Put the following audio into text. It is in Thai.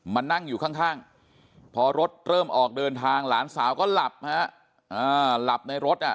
มานั่งอยู่ข้างพอรถเริ่มออกเดินทางหลานสาวก็หลับฮะหลับในรถอ่ะ